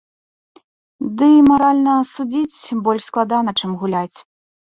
Ды і маральна судзіць больш складана, чым гуляць.